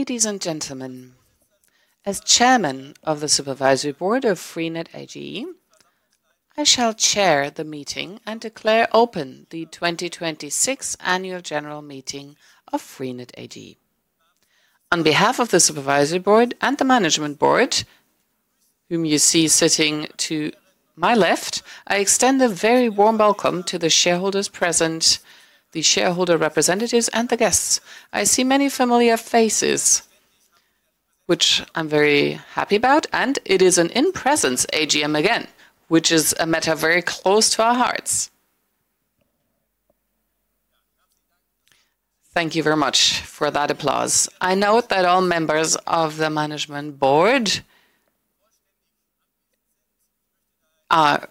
Ladies and gentlemen, as Chairman of the Supervisory Board of freenet AG, I shall chair the meeting and declare open the 2026 Annual General Meeting of freenet AG. On behalf of the supervisory board and the management board, whom you see sitting to my left, I extend a very warm welcome to the shareholders present, the shareholder representatives, and the guests. I see many familiar faces, which I'm very happy about. It is an in-presence AGM again, which is a matter very close to our hearts. Thank you very much for that applause. I note that all members of the management board are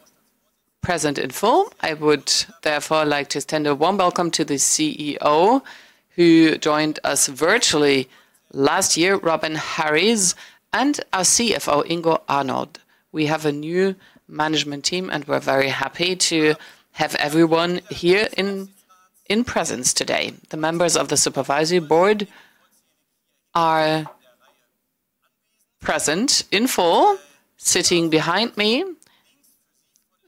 present in full. I would therefore like to extend a warm welcome to the CEO, who joined us virtually last year, Robin Harries, and our CFO, Ingo Arnold. We have a new management team, we're very happy to have everyone here in presence today. The members of the Supervisory Board are present in full, sitting behind me.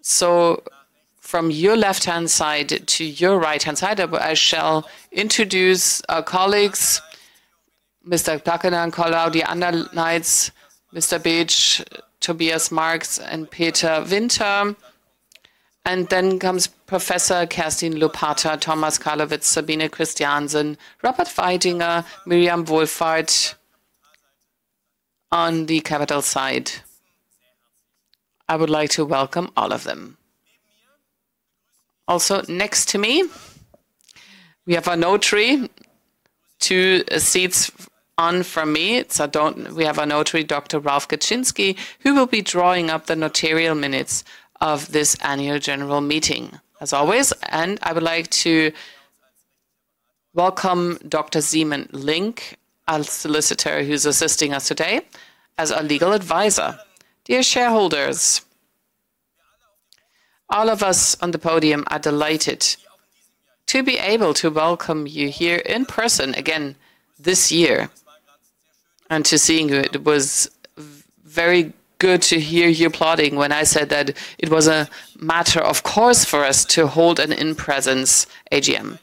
From your left-hand side to your right-hand side, I shall introduce our colleagues, [Mr. Plackenen], Claudia Anderleit, Mr. Bretsch, Tobias Marx, and Petra Winter. Then comes Professor Kerstin Lopatta, Thomas Karlovits, Sabine Christiansen, Robert Weidinger, Miriam Wohlfarth on the capital side. I would like to welcome all of them. Next to me, we have a notary two seats on from me. We have a notary, Dr. Ralf Kaminski, who will be drawing up the notarial minutes of this Annual General Meeting as always. I would like to welcome Dr. Simon Link, our solicitor who is assisting us today as our legal advisor. Dear shareholders, all of us on the podium are delighted to be able to welcome you here in person again this year and to seeing you. It was very good to hear you applauding when I said that it was a matter of course for us to hold an in-presence AGM.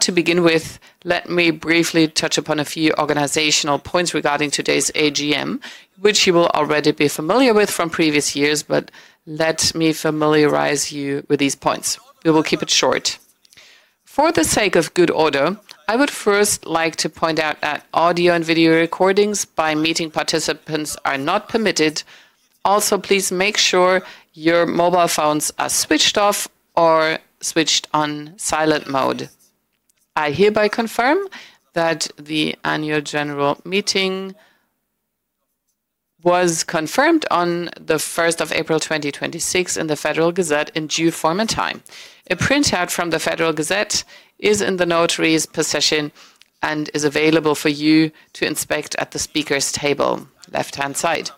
To begin with, let me briefly touch upon a few organizational points regarding today's AGM, which you will already be familiar with from previous years. Let me familiarize you with these points. We will keep it short. For the sake of good order, I would first like to point out that audio and video recordings by meeting participants are not permitted. Please make sure your mobile phones are switched off or switched on silent mode. I hereby confirm that the annual general meeting was confirmed on the April 1st, 2026 in the Federal Gazette in due form and time. A printout from the Federal Gazette is in the notary's possession and is available for you to inspect at the speakers table, left-hand side.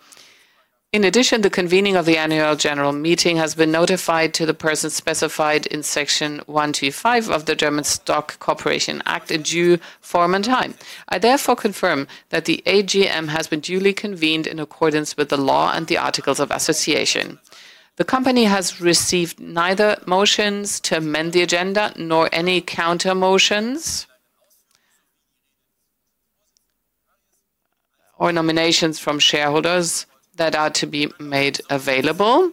In addition, the convening of the annual general meeting has been notified to the person specified in Section 125 of the German Stock Corporation Act in due form and time. I therefore confirm that the AGM has been duly convened in accordance with the law and the articles of association. The company has received neither motions to amend the agenda nor any countermotions or nominations from shareholders that are to be made available.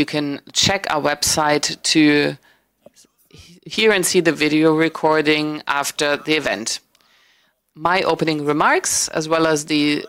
You can check our website to hear and see the video recording after the event. My opening remarks, as well as the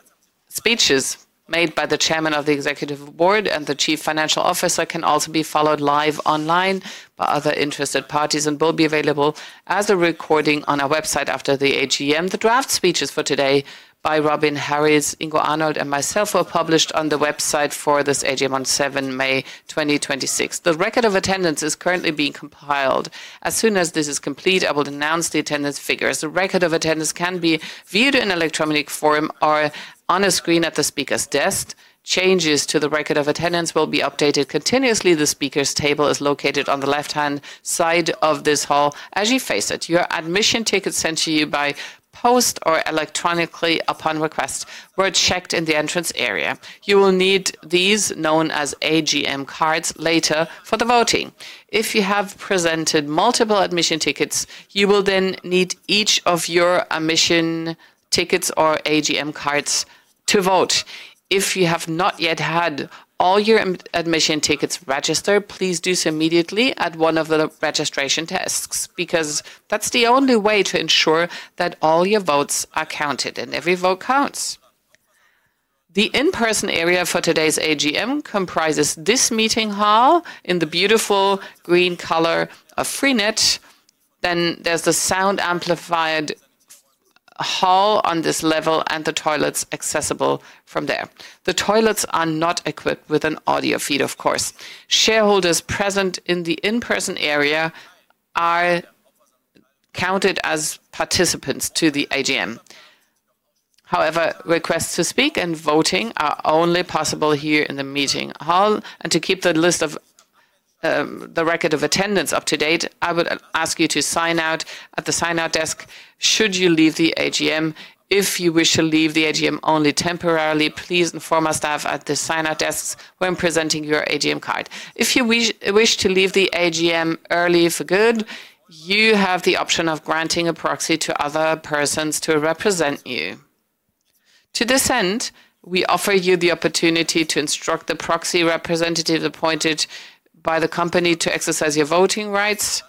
speeches made by the Chairman of the Executive Board and the Chief Financial Officer, can also be followed live online by other interested parties and will be available as a recording on our website after the AGM. The draft speeches for today by Robin Harries, Ingo Arnold, and myself were published on the website for this AGM on May 7th, 2026. The record of attendance is currently being compiled. As soon as this is complete, I will announce the attendance figures. The record of attendance can be viewed in electronic form or on a screen at the speaker's desk. Changes to the record of attendance will be updated continuously. The speaker's table is located on the left-hand side of this hall as you face it. Your admission ticket sent to you by post or electronically upon request were checked in the entrance area. You will need these, known as AGM cards, later for the voting. If you have presented multiple admission tickets, you will then need each of your admission tickets or AGM cards to vote. If you have not yet had all your admission tickets registered, please do so immediately at one of the registration desks. That's the only way to ensure that all your votes are counted, and every vote counts. The in-person area for today's AGM comprises this meeting hall in the beautiful green color of freenet. There's the sound-amplified hall on this level and the toilets accessible from there. The toilets are not equipped with an audio feed, of course. Shareholders present in the in-person area are counted as participants to the AGM. Requests to speak and voting are only possible here in the meeting hall. To keep the list of the record of attendance up to date, I would ask you to sign out at the sign-out desk should you leave the AGM. If you wish to leave the AGM only temporarily, please inform our staff at the sign-out desks when presenting your AGM card. If you wish to leave the AGM early for good, you have the option of granting a proxy to other persons to represent you. To this end, we offer you the opportunity to instruct the proxy representative appointed by the company to exercise your voting rights.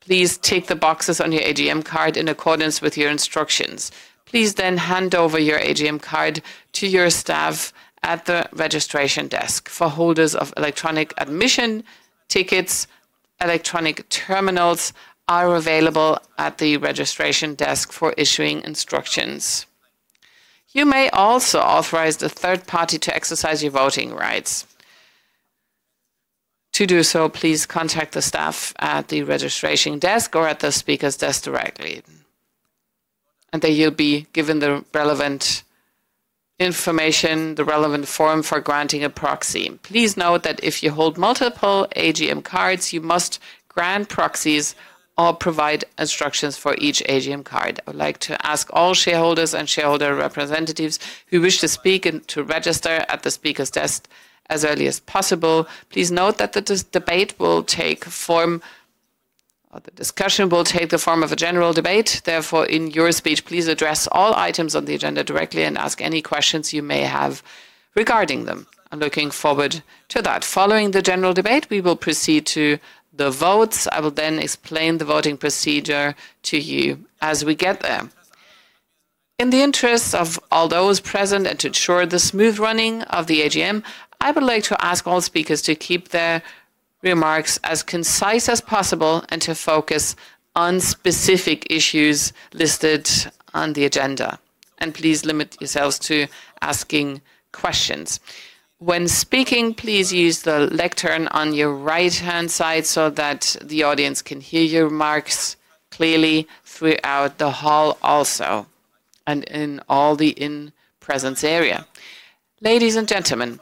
Please tick the boxes on your AGM card in accordance with your instructions. Please then hand over your AGM card to your staff at the registration desk. For holders of electronic admission tickets, electronic terminals are available at the registration desk for issuing instructions. You may also authorize the third party to exercise your voting rights. To do so, please contact the staff at the registration desk or at the speaker's desk directly, then you'll be given the relevant information, the relevant form for granting a proxy. Please note that if you hold multiple AGM cards, you must grant proxies or provide instructions for each AGM card. I would like to ask all shareholders and shareholder representatives who wish to speak and to register at the speaker's desk as early as possible. Please note that the discussion will take the form of a general debate. Therefore, in your speech, please address all items on the agenda directly and ask any questions you may have regarding them. I'm looking forward to that. Following the general debate, we will proceed to the votes. I will explain the voting procedure to you as we get there. In the interests of all those present and to ensure the smooth running of the AGM, I would like to ask all speakers to keep their remarks as concise as possible and to focus on specific issues listed on the agenda. Please limit yourselves to asking questions. When speaking, please use the lectern on your right-hand side so that the audience can hear your remarks clearly throughout the hall also and in all the in presence area. Ladies and gentlemen,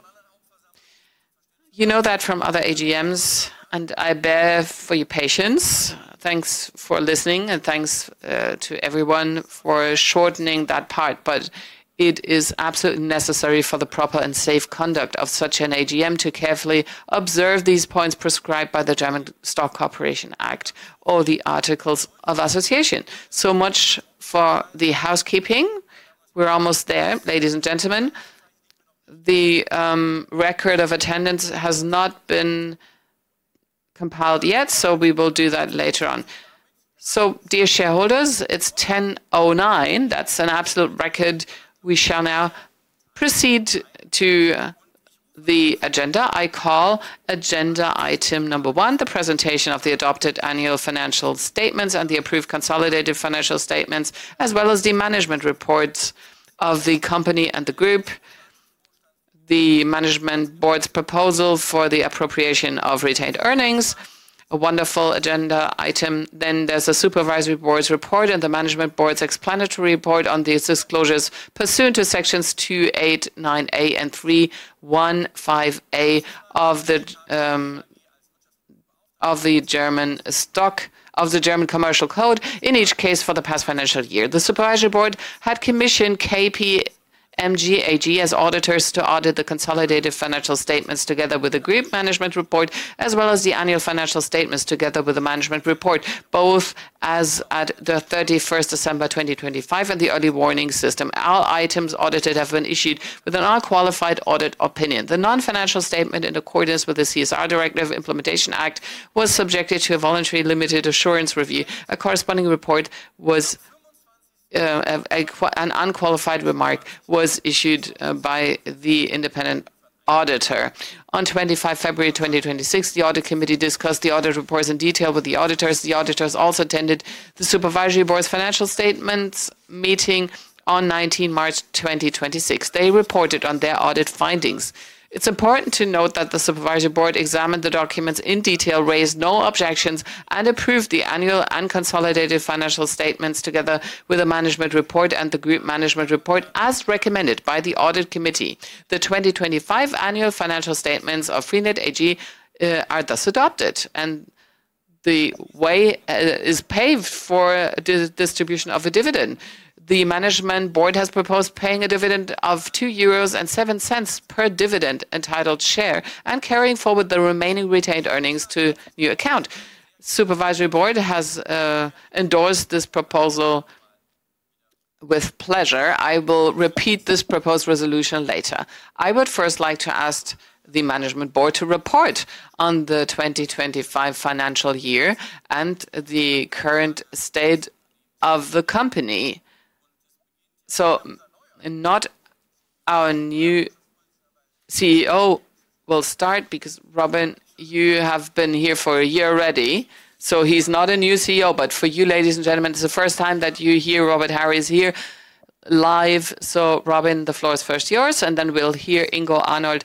you know that from other AGMs, I bear for your patience. Thanks for listening and thanks to everyone for shortening that part. It is absolutely necessary for the proper and safe conduct of such an AGM to carefully observe these points prescribed by the German Stock Corporation Act or the Articles of Association. So much for the housekeeping. We're almost there, ladies and gentlemen. The record of attendance has not been compiled yet, so we will do that later on. Dear shareholders, it's 10:09. That's an absolute record. We shall now proceed to the agenda. I call agenda item number one, the presentation of the adopted annual financial statements and the approved consolidated financial statements, as well as the management reports of the company and the group, the management board's proposal for the appropriation of retained earnings. A wonderful agenda item. There's the supervisory board's report and the management board's explanatory report on these disclosures pursuant to Sections 289a and 315a of the German Commercial Code, in each case for the past financial year. The supervisory board had commissioned KPMG AG as auditors to audit the consolidated financial statements together with the group management report, as well as the annual financial statements, together with the management report, both as at the December 31st, 2025 and the early warning system. Our items audited have been issued with an unqualified audit opinion. The non-financial statement in accordance with the CSR Directive Implementation Act, was subjected to a voluntary limited assurance review. A corresponding report was an unqualified remark was issued by the independent auditor. On February 25, 2026, the audit committee discussed the audit reports in detail with the auditors. The auditors also attended the supervisory board's financial statements meeting on March 19, 2026. They reported on their audit findings. It's important to note that the supervisory board examined the documents in detail, raised no objections, and approved the annual unconsolidated financial statements, together with the management report and the group management report as recommended by the audit committee. The 2025 annual financial statements of freenet AG are thus adopted, and the way is paved for distribution of a dividend. The management board has proposed paying a dividend of 2.07 euros per dividend entitled share and carrying forward the remaining retained earnings to your account. Supervisory board has endorsed this proposal with pleasure. I will repeat this proposed resolution later. I would first like to ask the management board to report on the 2025 financial year and the current state of the company. Not our new CEO will start because Robin, you have been here for a year already, so he's not a new CEO. For you, ladies and gentlemen, it's the first time that you hear Robin Harries here live. Robin, the floor is first yours, and then we'll hear Ingo Arnold.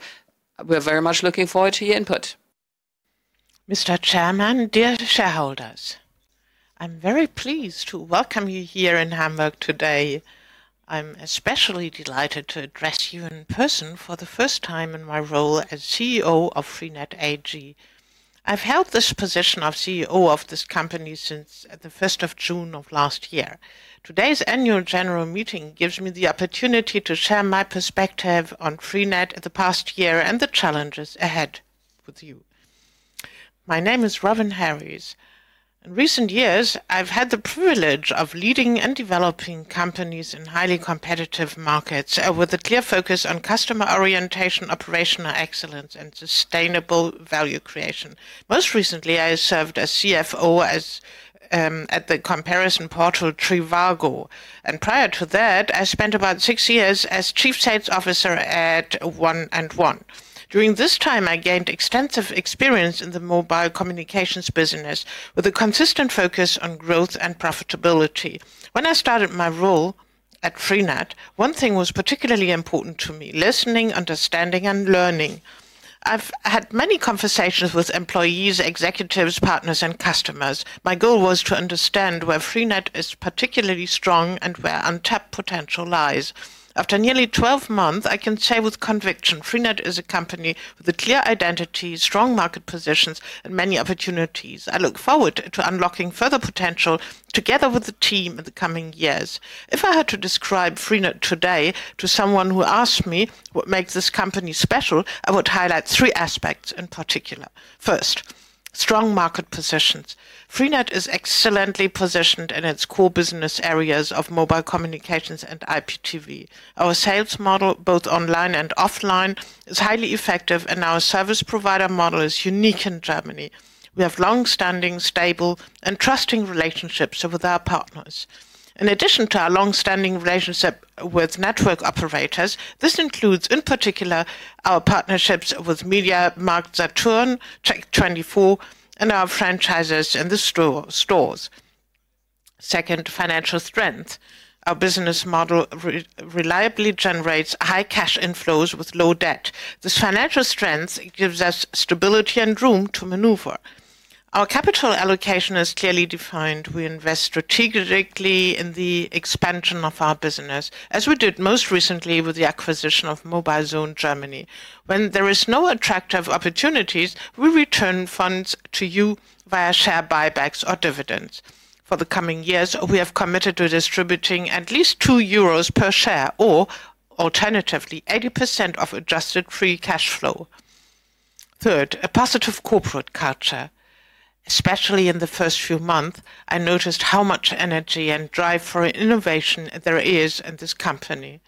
We're very much looking forward to your input. Mr. Chairman, dear shareholders, I'm very pleased to welcome you here in Hamburg today. I'm especially delighted to address you in person for the first time in my role as CEO of freenet AG. I've held this position of CEO of this company since June 1st of last year. Today's annual general meeting gives me the opportunity to share my perspective on freenet of the past year and the challenges ahead with you. My name is Robin Harries. In recent years, I've had the privilege of leading and developing companies in highly competitive markets with a clear focus on customer orientation, operational excellence, and sustainable value creation. Most recently, I served as CFO at the comparison portal trivago, and prior to that, I spent about six years as Chief Sales Officer at 1&1. During this time, I gained extensive experience in the mobile communications business with a consistent focus on growth and profitability. When I started my role at freenet, one thing was particularly important to me: listening, understanding, and learning. I've had many conversations with employees, executives, partners, and customers. My goal was to understand where freenet is particularly strong and where untapped potential lies. After nearly 12 months, I can say with conviction freenet is a company with a clear identity, strong market positions, and many opportunities. I look forward to unlocking further potential together with the team in the coming years. If I had to describe freenet today to someone who asked me what makes this company special, I would highlight three aspects in particular. First, strong market positions. freenet is excellently positioned in its core business areas of mobile communications and IPTV. Our sales model, both online and offline, is highly effective, and our service provider model is unique in Germany. We have longstanding, stable, and trusting relationships with our partners. In addition to our longstanding relationship with network operators, this includes, in particular, our partnerships with MediaMarktSaturn, CHECK24, and our franchises in the stores. Second, financial strength. Our business model reliably generates high cash inflows with low debt. This financial strength gives us stability and room to maneuver. Our capital allocation is clearly defined. We invest strategically in the expansion of our business, as we did most recently with the acquisition of mobilezone Germany. When there are no attractive opportunities, we return funds to you via share buybacks or dividends. For the coming years, we have committed to distributing at least 2 euros per share or alternatively 80% of adjusted free cash flow. Third, a positive corporate culture. Especially in the first few months, I noticed how much energy and drive for innovation there is in this company.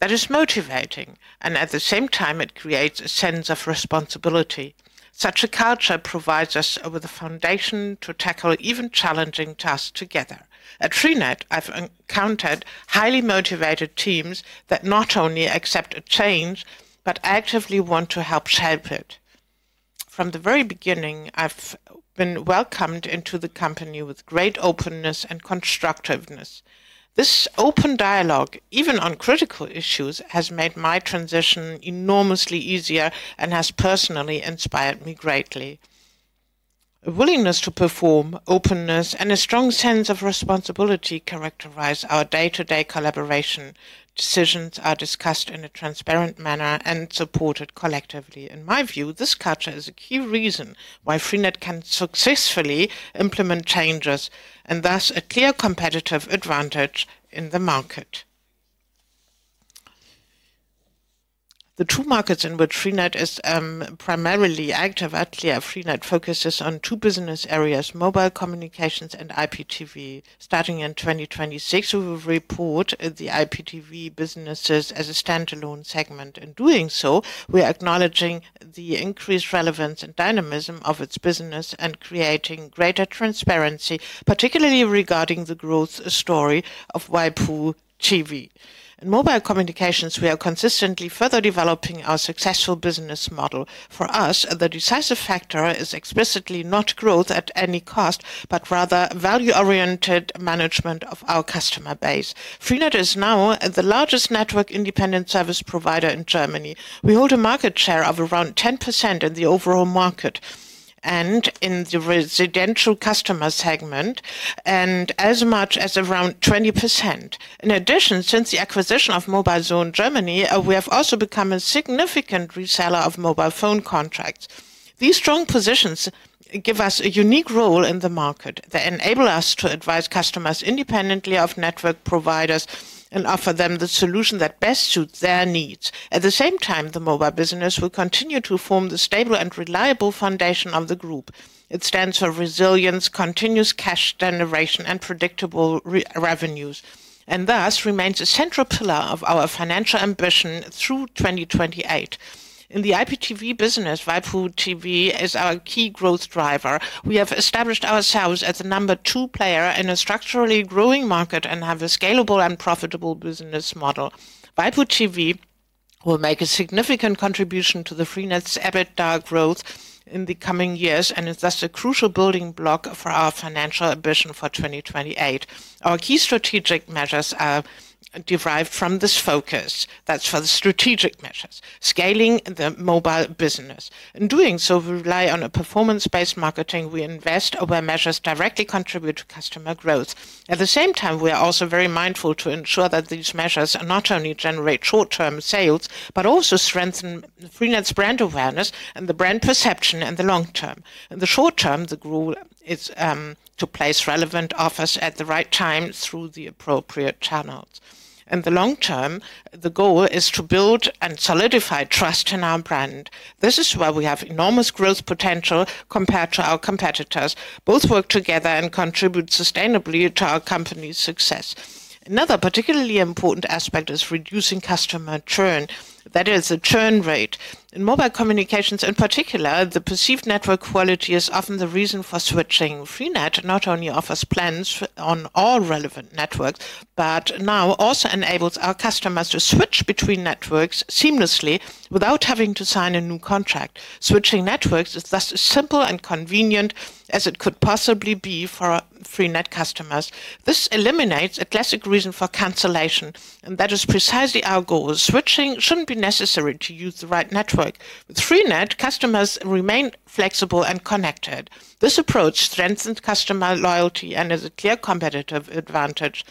That is motivating, and at the same time it creates a sense of responsibility. Such a culture provides us with the foundation to tackle even challenging tasks together. At freenet, I've encountered highly motivated teams that not only accept change but actively want to help shape it. From the very beginning, I've been welcomed into the company with great openness and constructiveness. This open dialogue, even on critical issues, has made my transition enormously easier and has personally inspired me greatly. A willingness to perform, openness, and a strong sense of responsibility characterize our day-to-day collaboration. Decisions are discussed in a transparent manner and supported collectively. In my view, this culture is a key reason why freenet can successfully implement changes and thus a clear competitive advantage in the market. freenet focuses on two business areas, mobile communications and IPTV. Starting in 2026, we will report the IPTV businesses as a standalone segment. In doing so, we are acknowledging the increased relevance and dynamism of its business and creating greater transparency, particularly regarding the growth story of waipu.tv. In mobile communications, we are consistently further developing our successful business model. For us, the decisive factor is explicitly not growth at any cost, but rather value-oriented management of our customer base. freenet is now the largest network-independent service provider in Germany. We hold a market share of around 10% of the overall market and in the residential customer segment and as much as around 20%. In addition, since the acquisition of mobilezone Germany, we have also become a significant reseller of mobile phone contracts. These strong positions give us a unique role in the market that enable us to advise customers independently of network providers and offer them the solution that best suits their needs. At the same time, the mobile business will continue to form the stable and reliable foundation of the group. It stands for resilience, continuous cash generation, and predictable revenues, and thus remains a central pillar of our financial ambition through 2028. In the IPTV business, waipu.tv is our key growth driver. We have established ourselves as the number two player in a structurally growing market and have a scalable and profitable business model. waipu.tv will make a significant contribution to freenet's EBITDA growth in the coming years, and is thus a crucial building block for our financial ambition for 2028. Our key strategic measures are derived from this focus. That's for the strategic measures. Scaling the mobile business. In doing so, we rely on a performance-based marketing. We invest where measures directly contribute to customer growth. At the same time, we are also very mindful to ensure that these measures not only generate short-term sales, but also strengthen freenet's brand awareness and the brand perception in the long term. In the short term, the goal is to place relevant offers at the right time through the appropriate channels. In the long term, the goal is to build and solidify trust in our brand. This is where we have enormous growth potential compared to our competitors. Both work together and contribute sustainably to our company's success. Another particularly important aspect is reducing customer churn. That is the churn rate. In mobile communications, in particular, the perceived network quality is often the reason for switching. freenet not only offers plans on all relevant networks, but now also enables our customers to switch between networks seamlessly without having to sign a new contract. Switching networks is thus as simple and convenient as it could possibly be for freenet customers. This eliminates a classic reason for cancellation. That is precisely our goal. Switching shouldn't be necessary to use the right network. With freenet, customers remain flexible and connected. This approach strengthens customer loyalty and is a clear competitive advantage.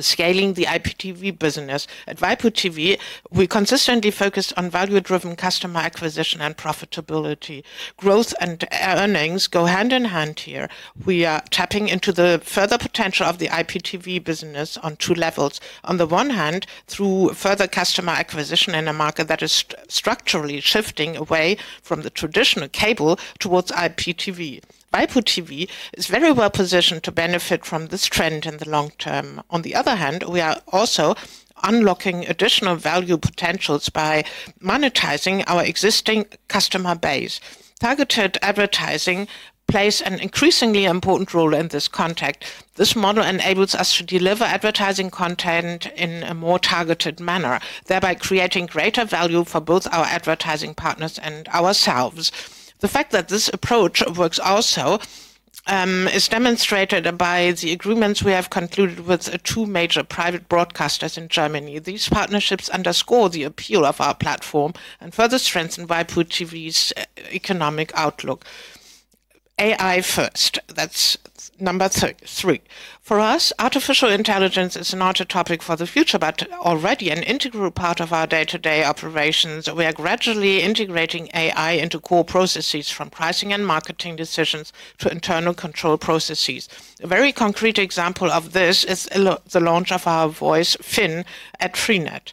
Scaling the IPTV business. At waipu.tv, we consistently focus on value-driven customer acquisition and profitability. Growth and earnings go hand in hand here. We are tapping into the further potential of the IPTV business on two levels. On the one hand, through further customer acquisition in a market that is structurally shifting away from the traditional cable towards IPTV. waipu.tv is very well positioned to benefit from this trend in the long term. On the other hand, we are also unlocking additional value potentials by monetizing our existing customer base. Targeted advertising plays an increasingly important role in this context. This model enables us to deliver advertising content in a more targeted manner, thereby creating greater value for both our advertising partners and ourselves. The fact that this approach works also is demonstrated by the agreements we have concluded with two major private broadcasters in Germany. These partnerships underscore the appeal of our platform and further strengthen waipu.tv's economic outlook. AI first, that's number three. For us, artificial intelligence is not a topic for the future, but already an integral part of our day-to-day operations. We are gradually integrating AI into core processes, from pricing and marketing decisions to internal control processes. A very concrete example of this is the launch of our voice, Finn, at freenet.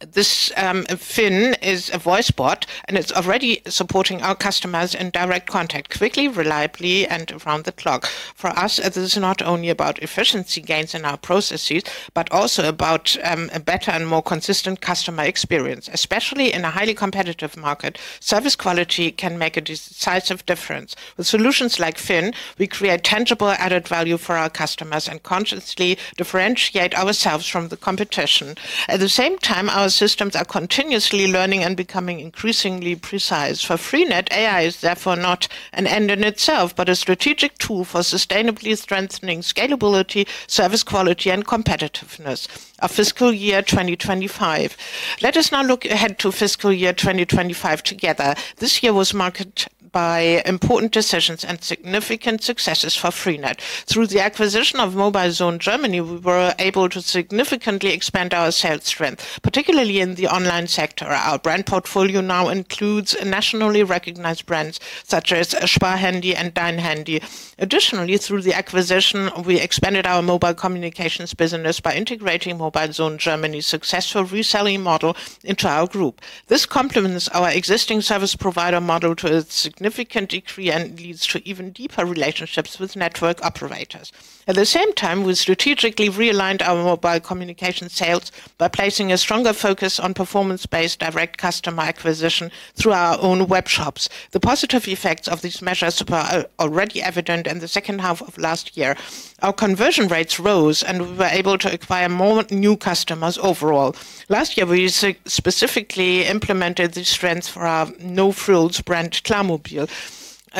This, Finn is a voice bot, and it's already supporting our customers in direct contact quickly, reliably, and around the clock. For us, this is not only about efficiency gains in our processes, but also about a better and more consistent customer experience. Especially in a highly competitive market, service quality can make a decisive difference. With solutions like Finn, we create tangible added value for our customers and consciously differentiate ourselves from the competition. At the same time, our systems are continuously learning and becoming increasingly precise. For freenet, AI is therefore not an end in itself, but a strategic tool for sustainably strengthening scalability, service quality, and competitiveness. Our fiscal year 2025. Let us now look ahead to fiscal year 2025 together. This year was marked by important decisions and significant successes for freenet. Through the acquisition of mobilezone Germany, we were able to significantly expand our sales strength, particularly in the online sector. Our brand portfolio now includes nationally recognized brands such as Sparhandy and DeinHandy. Additionally, through the acquisition, we expanded our mobile communications business by integrating mobilezone Germany's successful reselling model into our group. This complements our existing service provider model to a significant degree and leads to even deeper relationships with network operators. At the same time, we strategically realigned our mobile communication sales by placing a stronger focus on performance-based direct customer acquisition through our own web shops. The positive effects of these measures were already evident in the second half of last year. Our conversion rates rose, and we were able to acquire more new customers overall. Last year, we specifically implemented these trends for our no-frills brand, klarmobil.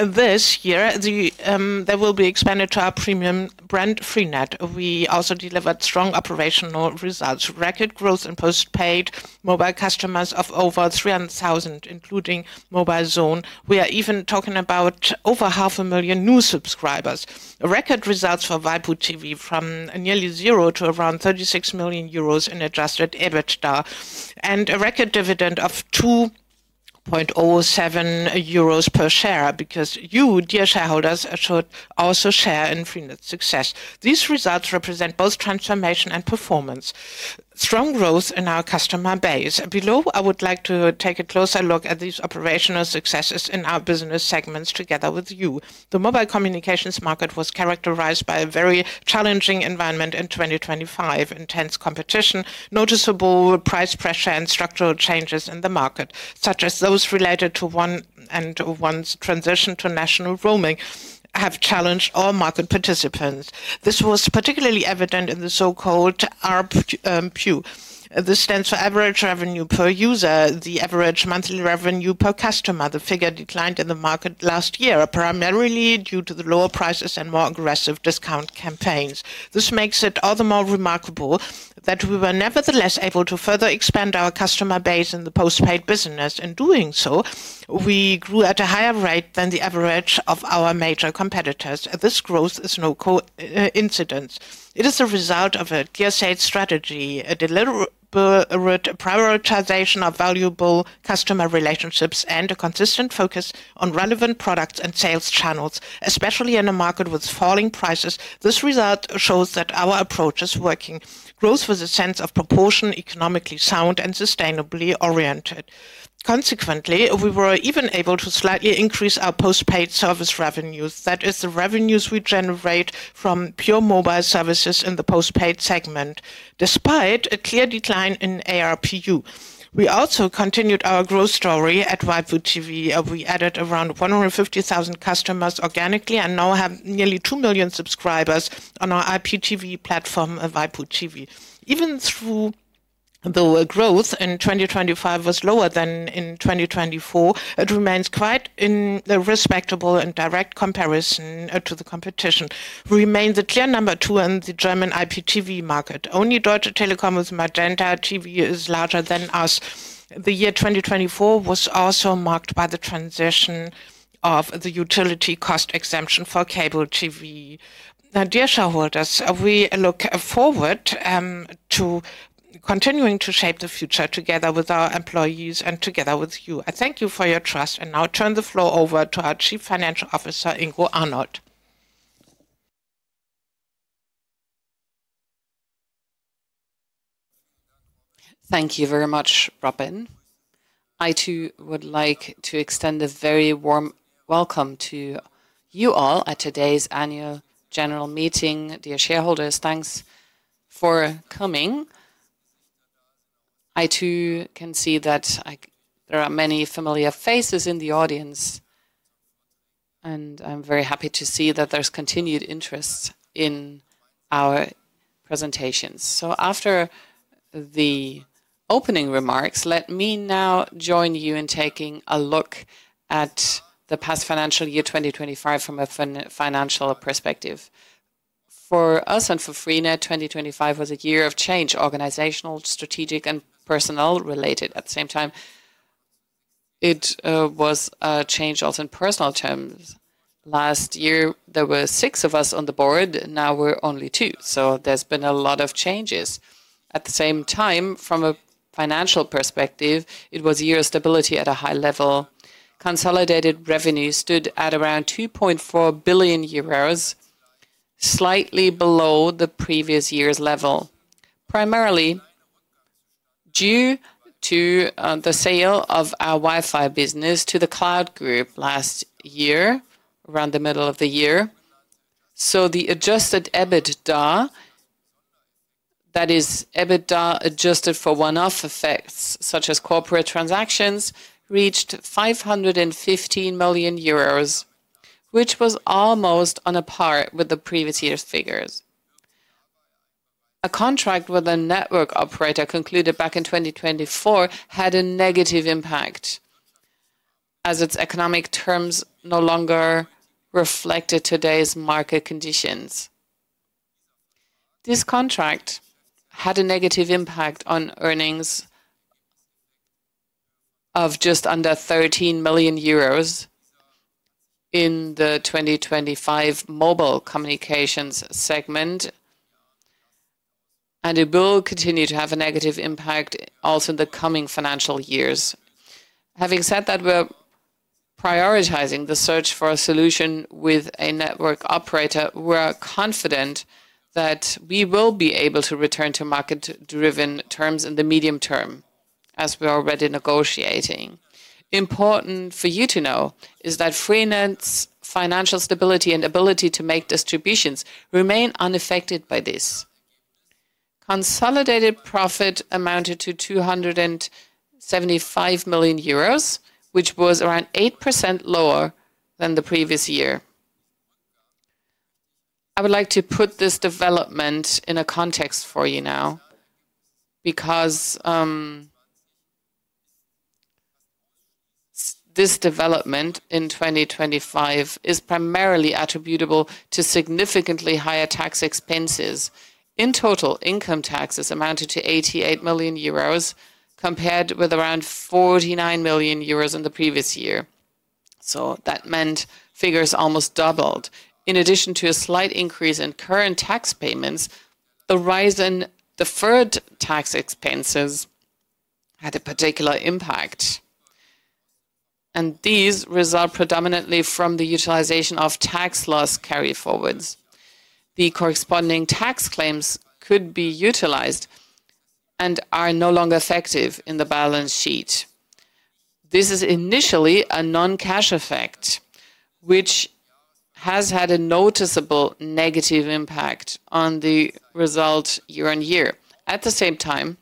This year, they will be expanded to our premium brand, freenet. We also delivered strong operational results. Record growth in postpaid mobile customers of over 300,000, including mobilezone. We are even talking about over 500,000 new subscribers. Record results for waipu.tv from nearly zero to around 36 million euros in adjusted EBITDA, and a record dividend of 2.07 euros per share, because you, dear shareholders, should also share in freenet's success. These results represent both transformation and performance. Strong growth in our customer base. Below, I would like to take a closer look at these operational successes in our business segments together with you. The mobile communications market was characterized by a very challenging environment in 2025. Intense competition, noticeable price pressure and structural changes in the market, such as those related to 1&1's transition to national roaming, have challenged all market participants. This was particularly evident in the so-called ARPU. This stands for Average Revenue Per User, the average monthly revenue per customer. The figure declined in the market last year, primarily due to the lower prices and more aggressive discount campaigns. This makes it all the more remarkable that we were nevertheless able to further expand our customer base in the postpaid business. In doing so, we grew at a higher rate than the average of our major competitors. This growth is no coincidence. It is a result of a clear sales strategy, a deliberate prioritization of valuable customer relationships, and a consistent focus on relevant products and sales channels. Especially in a market with falling prices, this result shows that our approach is working. Growth with a sense of proportion, economically sound and sustainably oriented. Consequently, we were even able to slightly increase our postpaid service revenues. That is the revenues we generate from pure mobile services in the postpaid segment, despite a clear decline in ARPU. We also continued our growth story at waipu.tv. We added around 150,000 customers organically, and now have nearly 2,000,000 subscribers on our IPTV platform at waipu.tv. Even through the growth in 2025 was lower than in 2024, it remains quite in the respectable and direct comparison, to the competition. We remain the clear number two in the German IPTV market. Only Deutsche Telekom with MagentaTV is larger than us. The year 2024 was also marked by the transition of the utility cost exemption for cable TV. Now, dear shareholders, we look forward to continuing to shape the future together with our employees and together with you. I thank you for your trust and now turn the floor over to our Chief Financial Officer, Ingo Arnold. Thank you very much, Robin. I too would like to extend a very warm welcome to you all at today's Annual General Meeting. Dear shareholders, thanks for coming. I too can see that, like, there are many familiar faces in the audience, and I'm very happy to see that there's continued interest in our presentations. After the opening remarks, let me now join you in taking a look at the past financial year, 2025, from a financial perspective. For us and for freenet, 2025 was a year of change, organizational, strategic, and personal related. At the same time, it was a change also in personal terms. Last year, there were six of us on the board. Now we're only two. There's been a lot of changes. At the same time, from a financial perspective, it was a year of stability at a high level. Consolidated revenue stood at around 2.4 billion euros, slightly below the previous year's level. Primarily due to the sale of our Wi-Fi business to The Cloud Group last year, around the middle of the year. The adjusted EBITDA, that is EBITDA adjusted for one-off effects such as corporate transactions, reached 515 million euros, which was almost on a par with the previous year's figures. A contract with a network operator concluded back in 2024 had a negative impact, as its economic terms no longer reflected today's market conditions. This contract had a negative impact on earnings of just under 13 million euros in the 2025 mobile communications segment, and it will continue to have a negative impact also in the coming financial years. Having said that, we're prioritizing the search for a solution with a network operator. We're confident that we will be able to return to market-driven terms in the medium term, as we are already negotiating. Important for you to know is that freenet's financial stability and ability to make distributions remain unaffected by this. Consolidated profit amounted to 275 million euros, which was around 8% lower than the previous year. I would like to put this development in a context for you now. Because this development in 2025 is primarily attributable to significantly higher tax expenses. In total, income taxes amounted to 88 million euros, compared with around 49 million euros in the previous year. That meant figures almost doubled. In addition to a slight increase in current tax payments, the rise in deferred tax expenses had a particular impact. These result predominantly from the utilization of tax loss carryforwards. The corresponding tax claims could be utilized and are no longer effective in the balance sheet. This is initially a non-cash effect, which has had a noticeable negative impact on the result year-on-year. At the same time,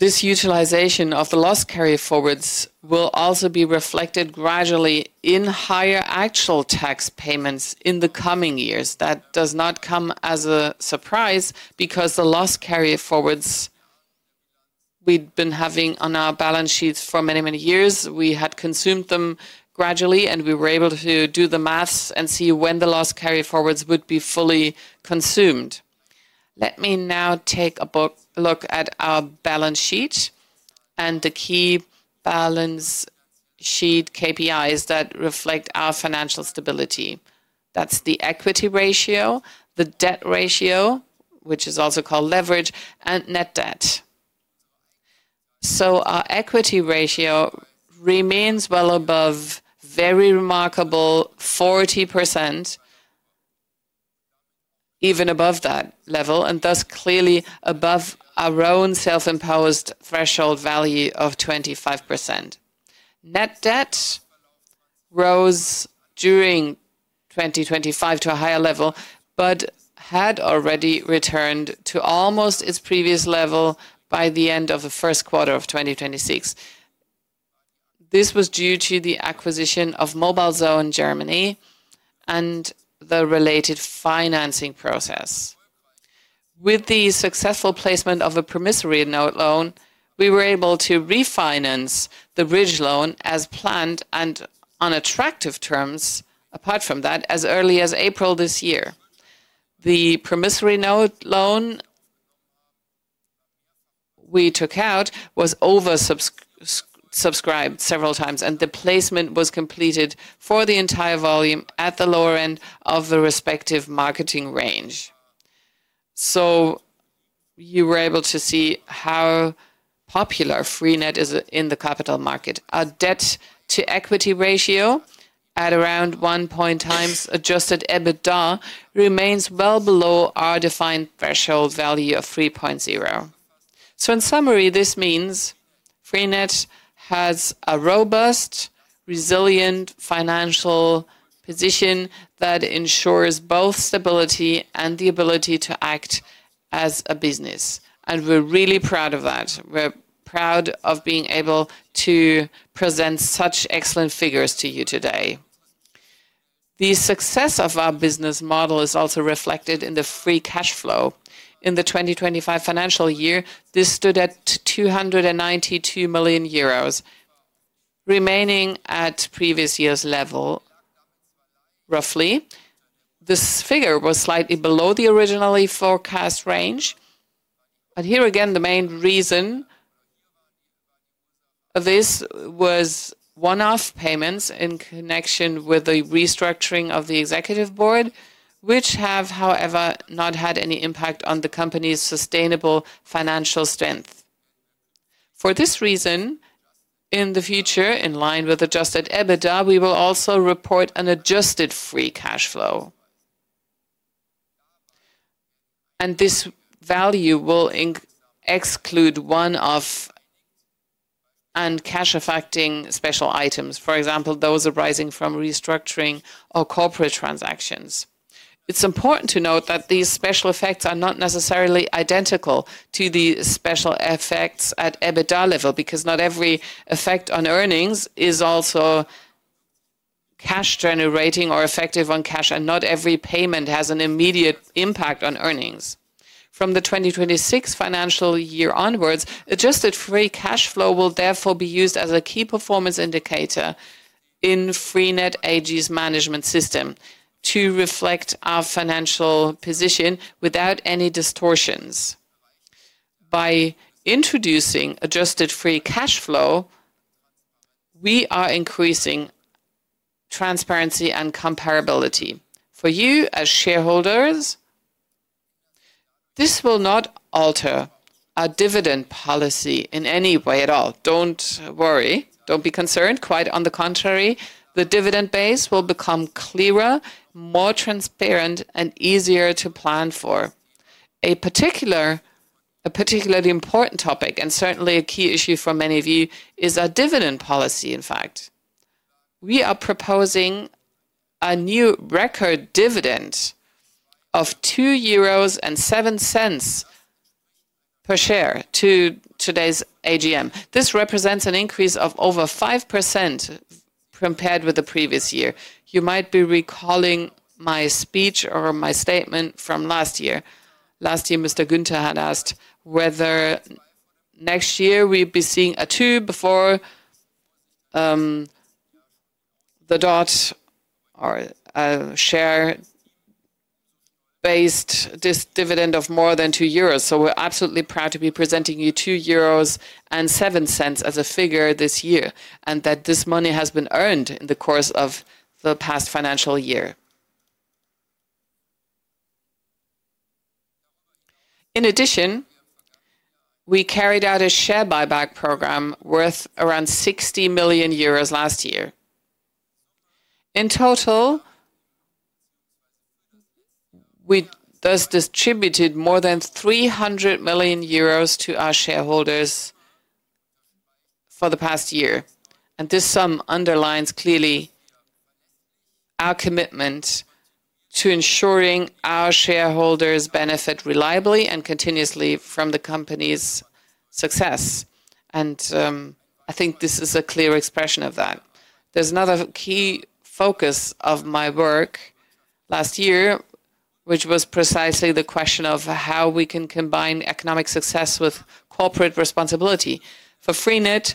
this utilization of the loss carryforwards will also be reflected gradually in higher actual tax payments in the coming years. That does not come as a surprise because the loss carryforwards we'd been having on our balance sheets for many, many years, we had consumed them gradually, and we were able to do the math and see when the loss carryforwards would be fully consumed. Let me now take a look at our balance sheet and the key balance sheet KPIs that reflect our financial stability. That's the equity ratio, the debt ratio, which is also called leverage, and net debt. Our equity ratio remains well above very remarkable 40%, even above that level, and thus clearly above our own self-imposed threshold value of 25%. Net debt rose during 2025 to a higher level but had already returned to almost its previous level by the end of the first quarter of 2026. This was due to the acquisition of mobilezone Germany and the related financing process. With the successful placement of a promissory note loan, we were able to refinance the bridge loan as planned and on attractive terms, apart from that, as early as April this year. The promissory note loan we took out was oversubscribed several times, and the placement was completed for the entire volume at the lower end of the respective marketing range. You were able to see how popular freenet is in the capital market. Our debt-to-equity ratio at around 1.0x adjusted EBITDA remains well below our defined threshold value of 3.0. In summary, this means freenet has a robust, resilient financial position that ensures both stability and the ability to act as a business, and we're really proud of that. We're proud of being able to present such excellent figures to you today. The success of our business model is also reflected in the free cash flow. In the 2025 financial year, this stood at 292 million euros, remaining at previous year's level roughly. This figure was slightly below the originally forecast range. Here again, the main reason of this was one-off payments in connection with the restructuring of the Executive Board, which have, however, not had any impact on the company's sustainable financial strength. For this reason, in the future, in line with adjusted EBITDA, we will also report an adjusted free cash flow. This value will exclude one-off and cash-affecting special items, for example, those arising from restructuring or corporate transactions. It's important to note that these special effects are not necessarily identical to the special effects at EBITDA level because not every effect on earnings is also cash-generating or effective on cash, and not every payment has an immediate impact on earnings. From the 2026 financial year onwards, adjusted free cash flow will therefore be used as a key performance indicator in freenet AG's management system to reflect our financial position without any distortions. By introducing adjusted free cash flow, we are increasing transparency and comparability. For you as shareholders, this will not alter our dividend policy in any way at all. Don't worry. Don't be concerned. Quite on the contrary, the dividend base will become clearer, more transparent, and easier to plan for. A particularly important topic and certainly a key issue for many of you is our dividend policy, in fact. We are proposing a new record dividend of 2.07 euros per share to today's AGM. This represents an increase of over 5% compared with the previous year. You might be recalling my speech or my statement from last year. Last year, Mr. Günther had asked whether next year we'd be seeing a two before the dot or a share, was this dividend of more than 2 euros. We're absolutely proud to be presenting you 2.07 euros as a figure this year, and that this money has been earned in the course of the past financial year. In addition, we carried out a share buyback program worth around 60 million euros last year. In total, we thus distributed more than 300 million euros to our shareholders for the past year. This sum underlines clearly our commitment to ensuring our shareholders benefit reliably and continuously from the company's success. I think this is a clear expression of that. There's another key focus of my work last year, which was precisely the question of how we can combine economic success with corporate responsibility. For freenet,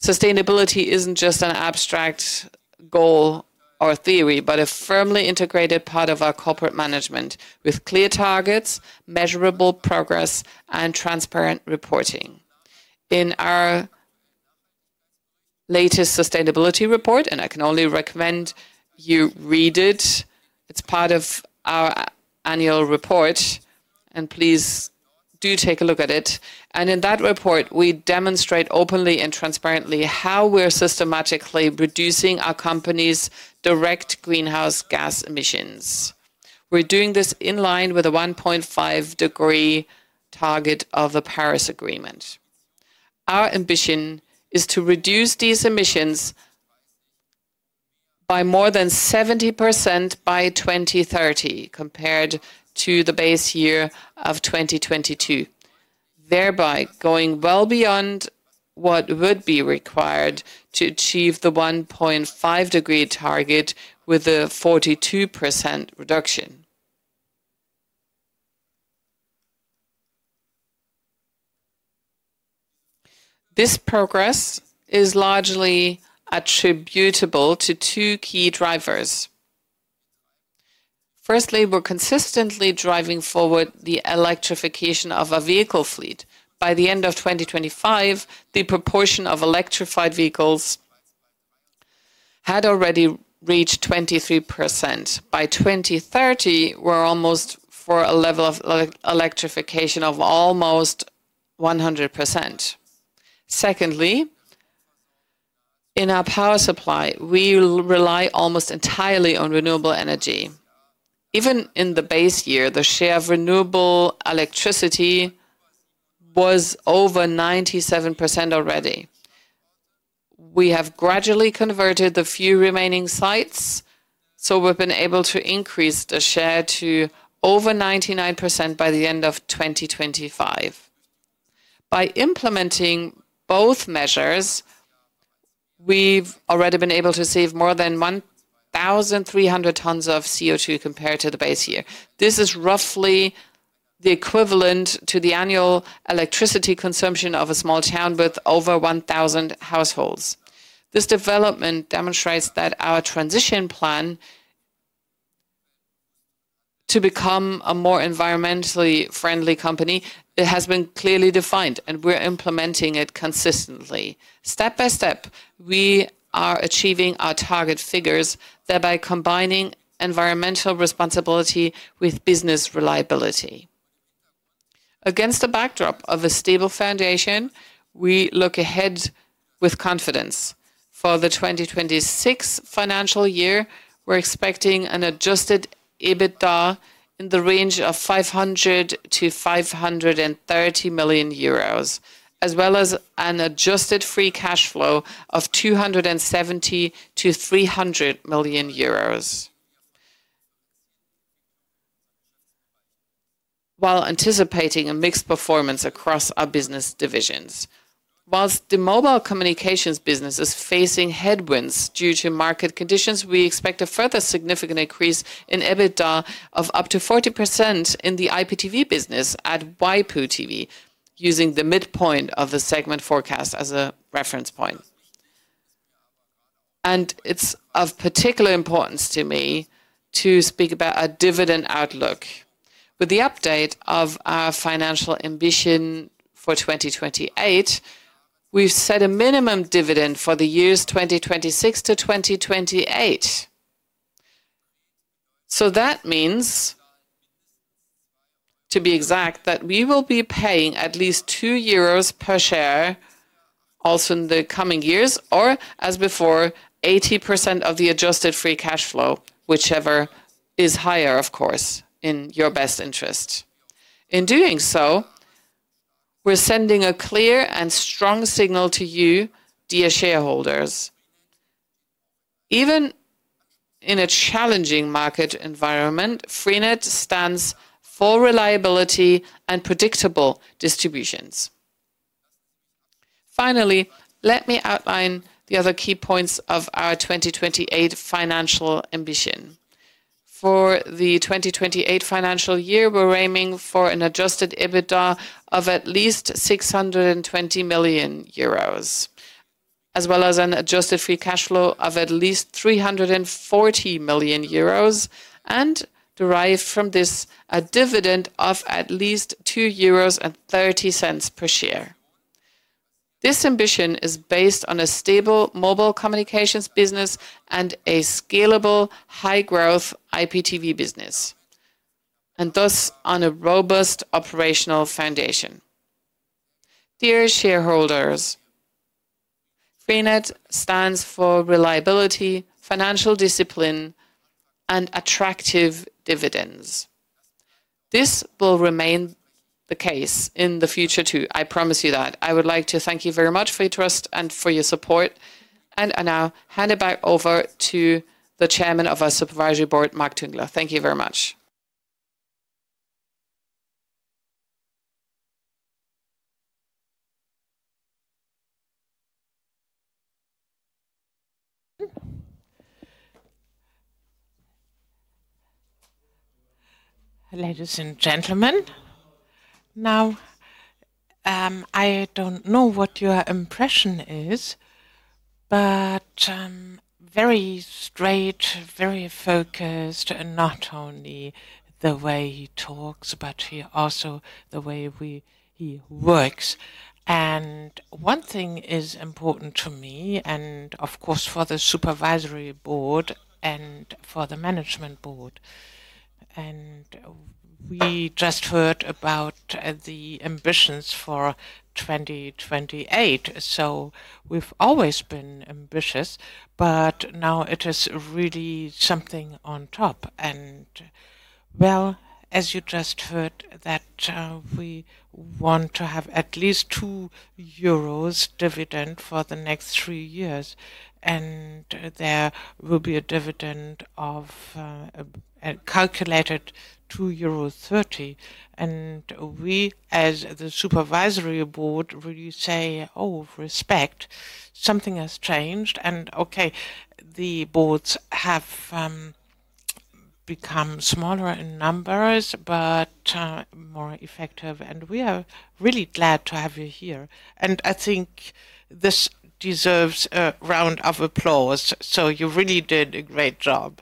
sustainability isn't just an abstract goal or theory, but a firmly integrated part of our corporate management with clear targets, measurable progress, and transparent reporting. In our latest sustainability report, I can only recommend you read it's part of our annual report, please do take a look at it. In that report, we demonstrate openly and transparently how we're systematically reducing our company's direct greenhouse gas emissions. We're doing this in line with the 1.5 degree target of the Paris Agreement. Our ambition is to reduce these emissions by more than 70% by 2030 compared to the base year of 2022, thereby going well beyond what would be required to achieve the 1.5 degree target with a 42% reduction. This progress is largely attributable to two key drivers. Firstly, we're consistently driving forward the electrification of our vehicle fleet. By the end of 2025, the proportion of electrified vehicles had already reached 23%. By 2030, we're almost for a level of electrification of almost 100%. Secondly, in our power supply, we rely almost entirely on renewable energy. Even in the base year, the share of renewable electricity was over 97% already. We have gradually converted the few remaining sites, so we've been able to increase the share to over 99% by the end of 2025. By implementing both measures, we've already been able to save more than 1,300 tons of CO2 compared to the base year. This is roughly the equivalent to the annual electricity consumption of a small town with over 1,000 households. This development demonstrates that our transition plan to become a more environmentally friendly company, it has been clearly defined, and we're implementing it consistently. Step by step, we are achieving our target figures, thereby combining environmental responsibility with business reliability. Against the backdrop of a stable foundation, we look ahead with confidence. For the 2026 financial year, we're expecting an adjusted EBITDA in the range of 500 million-530 million euros, as well as an adjusted free cash flow of 270 million-300 million euros. While anticipating a mixed performance across our business divisions. Whilst the mobile communications business is facing headwinds due to market conditions, we expect a further significant increase in EBITDA of up to 40% in the IPTV business at waipu.tv using the midpoint of the segment forecast as a reference point. It's of particular importance to me to speak about our dividend outlook. With the update of our financial ambition for 2028, we've set a minimum dividend for the years 2026 to 2028. That means, to be exact, that we will be paying at least 2 euros per share also in the coming years, or as before, 80% of the adjusted free cash flow, whichever is higher, of course, in your best interest. In doing so, we're sending a clear and strong signal to you, dear shareholders. Even in a challenging market environment, freenet stands for reliability and predictable distributions. Finally, let me outline the other key points of our 2028 financial ambition. For the 2028 financial year, we're aiming for an adjusted EBITDA of at least 620 million euros, as well as an adjusted free cash flow of at least 340 million euros, and derive from this a dividend of at least 2.30 euros per share. This ambition is based on a stable mobile communications business and a scalable high-growth IPTV business, and thus on a robust operational foundation. Dear shareholders, freenet stands for reliability, financial discipline, and attractive dividends. This will remain the case in the future, too. I promise you that. I would like to thank you very much for your trust and for your support, and I now hand it back over to the Chairman of our Supervisory Board, Marc Tüngler. Thank you very much. Ladies and gentlemen, now, I don't know what your impression is, but very straight, very focused, and not only the way he talks, but he also the way he works. One thing is important to me and, of course, for the supervisory board and for the management board. We just heard about the ambitions for 2028. We've always been ambitious, but now it is really something on top. Well, as you just heard that, we want to have at least 2 euros dividend for the next three years, and there will be a dividend of calculated 2.30 euro. We, as the supervisory board, really say, oh, respect. Something has changed. Okay, the boards have become smaller in numbers, but more effective. We are really glad to have you here. I think this deserves a round of applause. You really did a great job.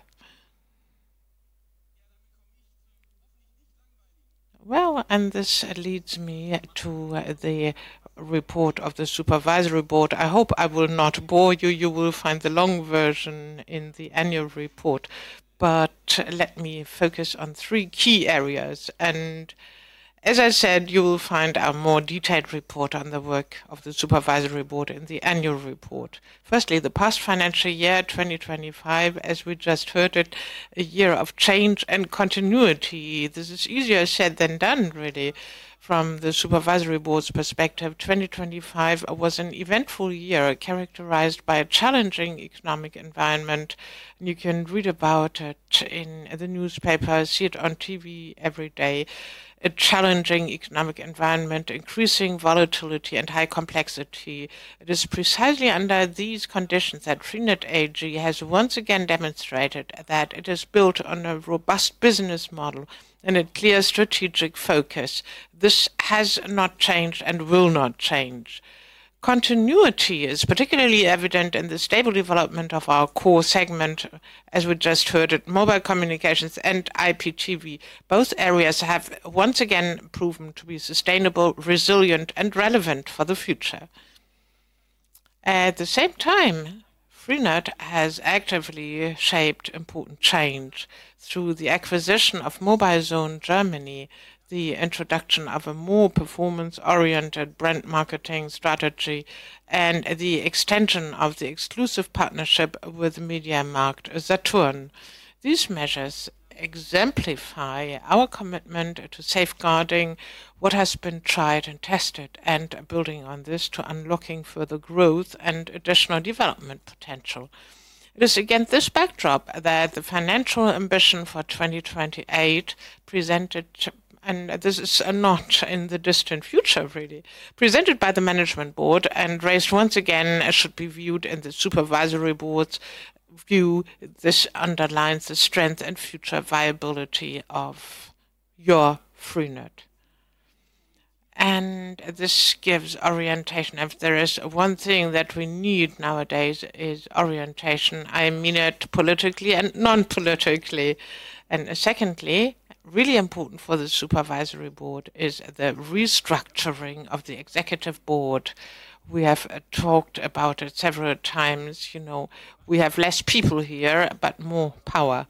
This leads me to the report of the supervisory board. I hope I will not bore you. You will find the long version in the annual report. Let me focus on three key areas. As I said, you will find a more detailed report on the work of the supervisory board in the annual report. Firstly, the past financial year, 2025, as we just heard it, a year of change and continuity. This is easier said than done, really, from the supervisory board's perspective. 2025 was an eventful year characterized by a challenging economic environment. You can read about it in the newspaper, see it on TV every day. A challenging economic environment, increasing volatility, and high complexity. It is precisely under these conditions that freenet AG has once again demonstrated that it is built on a robust business model and a clear strategic focus. This has not changed and will not change. Continuity is particularly evident in the stable development of our core segment, as we just heard it, mobile communications and IPTV. Both areas have once again proven to be sustainable, resilient, and relevant for the future. At the same time, freenet has actively shaped important change through the acquisition of mobilezone Germany, the introduction of a more performance-oriented brand marketing strategy, and the extension of the exclusive partnership with MediaMarktSaturn. These measures exemplify our commitment to safeguarding what has been tried and tested and building on this to unlocking further growth and additional development potential. It is against this backdrop that the financial ambition for 2028 presented. This is not in the distant future, really. Presented by the management board and raised once again, as should be viewed in the supervisory board's view, this underlines the strength and future viability of your freenet. This gives orientation. If there is one thing that we need nowadays is orientation. I mean it politically and non-politically. Secondly, really important for the supervisory board is the restructuring of the executive board. We have talked about it several times. You know, we have less people here, but more power.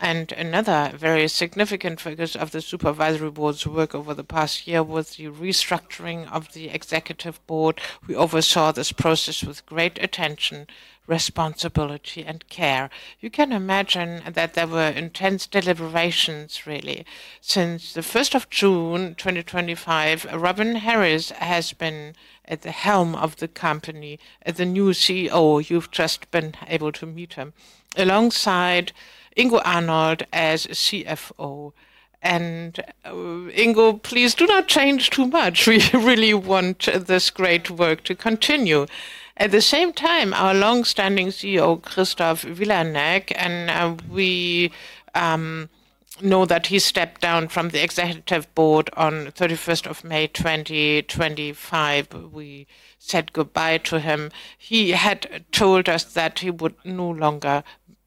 Another very significant focus of the supervisory board's work over the past year was the restructuring of the executive board. We oversaw this process with great attention, responsibility, and care. You can imagine that there were intense deliberations, really. Since the June 1st, 2025, Robin Harries has been at the helm of the company as the new CEO. You've just been able to meet him. Alongside Ingo Arnold as CFO. Ingo, please do not change too much. We really want this great work to continue. At the same time, our longstanding CEO, Christoph Vilanek, we know that he stepped down from the executive board on May 31st, 2025. We said goodbye to him. He had told us that he would no longer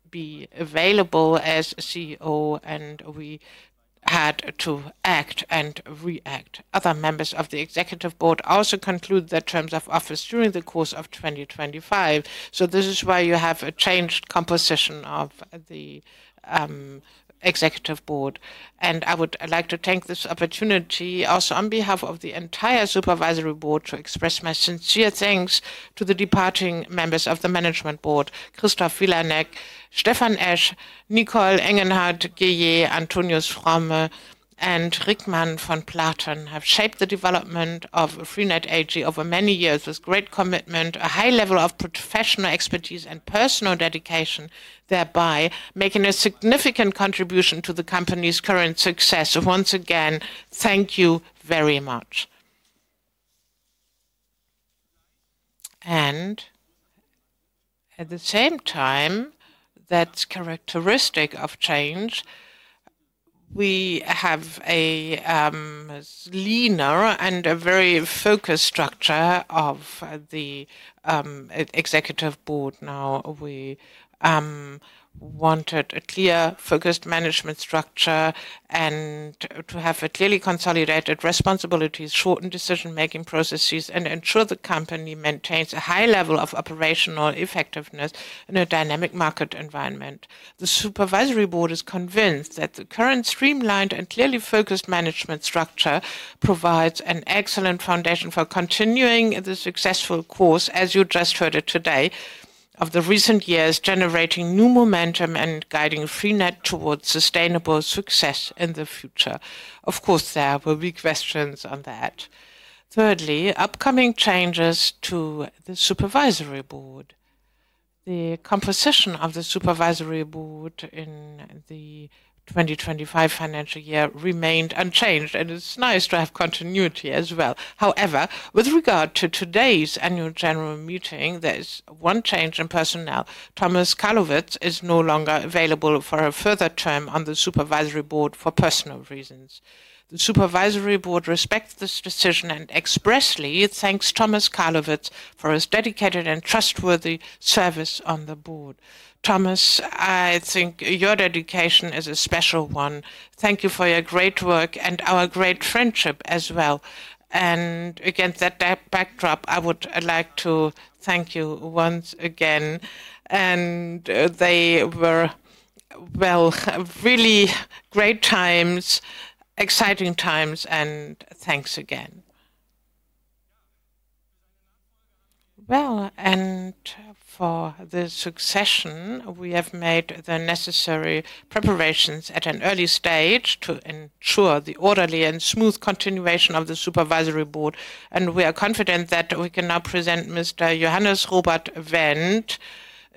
be available as CEO, we had to act and react. Other members of the executive board also conclude their terms of office during the course of 2025. This is why you have a changed composition of the executive board. I would like to take this opportunity also on behalf of the entire supervisory board to express my sincere thanks to the departing members of the management board. Christoph Vilanek, Stephan Esch, Nicole Engenhardt-Gillé, Antonius Fromme, and Rickmann v. Platen have shaped the development of freenet AG over many years with great commitment, a high level of professional expertise and personal dedication, thereby making a significant contribution to the company's current success. Once again, thank you very much. At the same time, that's characteristic of change. We have a leaner and a very focused structure of the executive board now. We wanted a clear focused management structure and to have clearly consolidated responsibilities, shortened decision-making processes, and ensure the company maintains a high level of operational effectiveness in a dynamic market environment. The supervisory board is convinced that the current streamlined and clearly focused management structure provides an excellent foundation for continuing the successful course, as you just heard it today, of the recent years, generating new momentum and guiding freenet towards sustainable success in the future. Of course, there will be questions on that. Thirdly, upcoming changes to the supervisory board. The composition of the supervisory board in the 2025 financial year remained unchanged, and it's nice to have continuity as well. However, with regard to today's annual general meeting, there's one change in personnel. Thomas Karlovits is no longer available for a further term on the supervisory board for personal reasons. The supervisory board respects this decision and expressly thanks Thomas Karlovits for his dedicated and trustworthy service on the board. Thomas, I think your dedication is a special one. Thank you for your great work and our great friendship as well. Again, that backdrop, I would like to thank you once again. They were really great times, exciting times. Thanks again. For the succession, we have made the necessary preparations at an early stage to ensure the orderly and smooth continuation of the supervisory board. We are confident that we can now present Mr. Johannes Robert Wendt,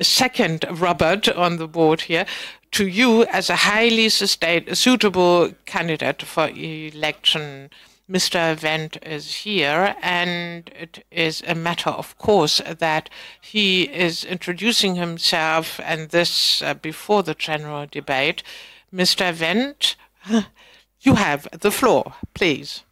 a second Robert on the board here, to you as a highly suitable candidate for election. Mr. Wendt is here. It is a matter of course that he is introducing himself before the general debate. Mr. Wendt, you have the floor, please.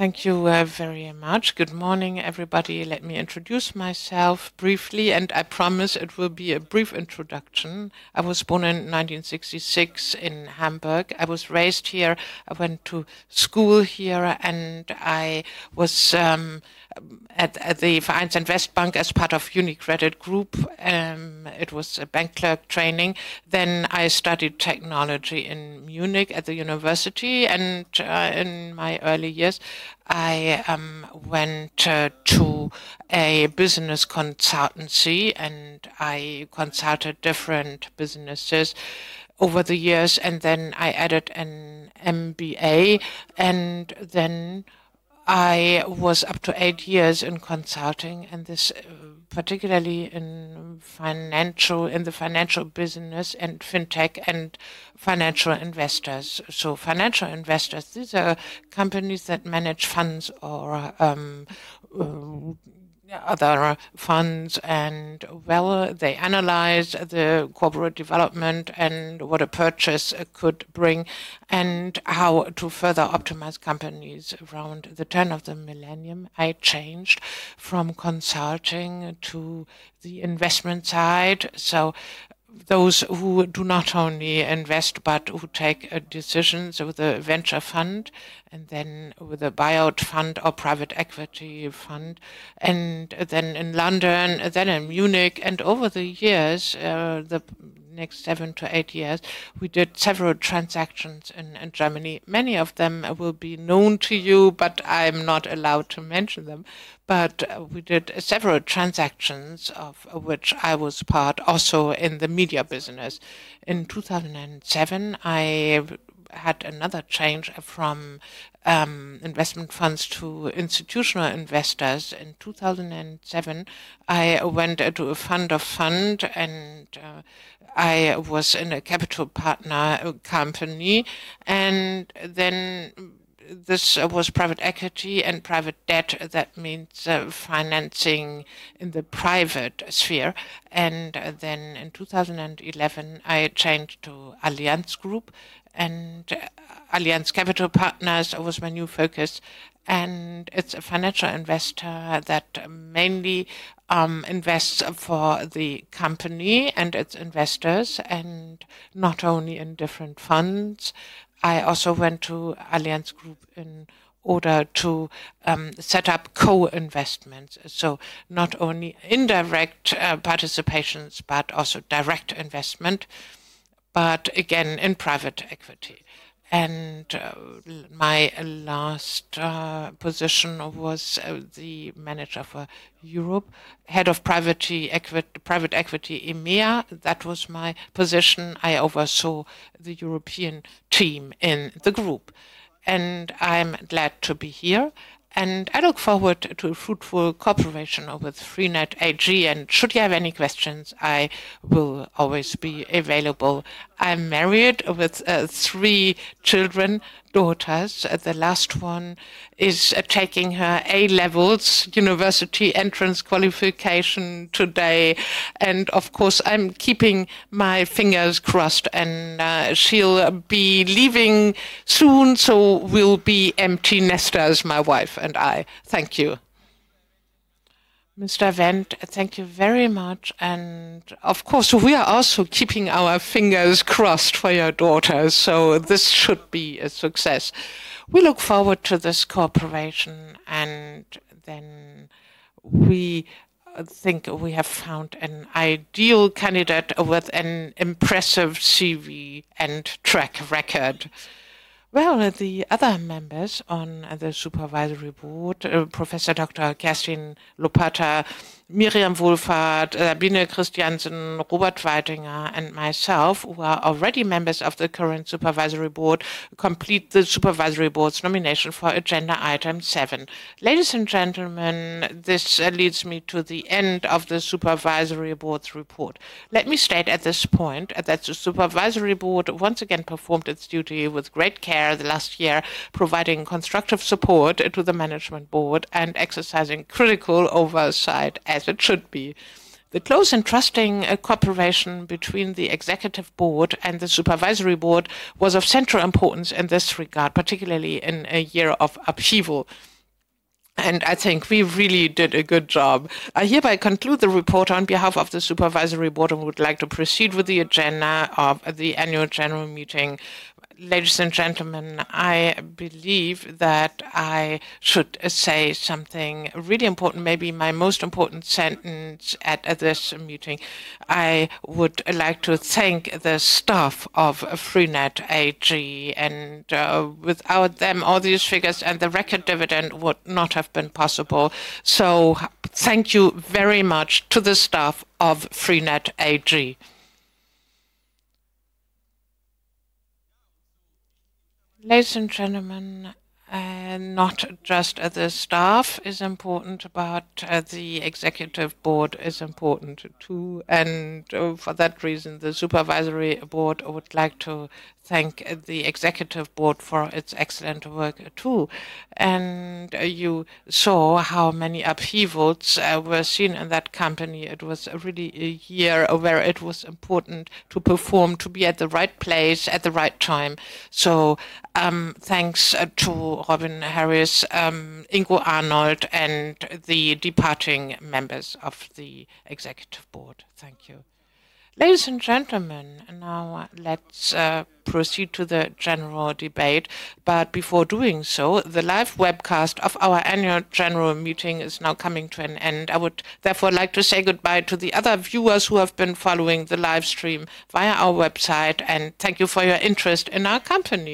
Thank you very much. Good morning, everybody. Let me introduce myself briefly. I promise it will be a brief introduction. I was born in 1966 in Hamburg. I was raised here. I went to school here. I was at the Vereins- und Westbank as part of UniCredit Group. It was a bank clerk training. I studied technology in Munich at the university. In my early years, I went to a business consultancy. I consulted different businesses over the years. I added an MBA. I was up to eight years in consulting, particularly in financial, in the financial business and fintech and financial investors. Financial investors, these are companies that manage funds or, yeah, other funds. Well, they analyze the corporate development and what a purchase could bring and how to further optimize companies. Around the turn of the millennium, I changed from consulting to the investment side. Those who do not only invest, but who take decisions with a venture fund and then with a buyout fund or private equity fund. In London, then in Munich. Over the years, the next seven to eight years, we did several transactions in Germany. Many of them will be known to you, I'm not allowed to mention them. We did several transactions of which I was part also in the media business. In 2007, I had another change from investment funds to institutional investors. In 2007, I went to a fund of fund, and I was in a capital partner company. This was private equity and private debt. That means financing in the private sphere. Then in 2011, I changed to Allianz Group, and Allianz Capital Partners was my new focus. It's a financial investor that mainly invests for the company and its investors and not only in different funds. I also went to Allianz Group in order to set up co-investments. Not only indirect participations, but also direct investment, but again, in private equity. My last position was the manager for Europe, Head of Private Equity EMEA. That was my position. I oversaw the European team in the group. I'm glad to be here, and I look forward to a fruitful cooperation with freenet AG. Should you have any questions, I will always be available. I'm married with three children, daughters. The last one is taking her A-levels university entrance qualification today. Of course, I'm keeping my fingers crossed. She'll be leaving soon, so we'll be empty nesters, my wife and I. Thank you. Mr. Wendt, thank you very much. Of course, we are also keeping our fingers crossed for your daughter, so this should be a success. We look forward to this cooperation, and then we think we have found an ideal candidate with an impressive CV and track record. Well, the other members on the supervisory board, Professor Dr. Kerstin Lopatta, Miriam Wohlfarth, Sabine Christiansen, Robert Weidinger, and myself, who are already members of the current supervisory board, complete the supervisory board's nomination for agenda Item 7. Ladies and gentlemen, this leads me to the end of the Supervisory Board's Report. Let me state at this point that the supervisory board once again performed its duty with great care the last year, providing constructive support to the management board and exercising critical oversight as it should be. The close and trusting cooperation between the executive board and the supervisory board was of central importance in this regard, particularly in a year of upheaval. I think we really did a good job. I hereby conclude the report on behalf of the supervisory board and would like to proceed with the agenda of the Annual General Meeting. Ladies and gentlemen, I believe that I should say something really important, maybe my most important sentence at this meeting. I would like to thank the staff of freenet AG, and without them, all these figures and the record dividend would not have been possible. Thank you very much to the staff of freenet AG. Ladies and gentlemen, not just the staff is important, but the executive board is important, too. For that reason, the supervisory board would like to thank the executive board for its excellent work, too. You saw how many upheavals were seen in that company. It was really a year where it was important to perform, to be at the right place at the right time. Thanks to Robin Harries, Ingo Arnold, and the departing members of the executive board. Thank you. Ladies and gentlemen, now let's proceed to the general debate. Before doing so, the live webcast of our annual general meeting is now coming to an end. I would therefore like to say goodbye to the other viewers who have been following the live stream via our website, and thank you for your interest in our company.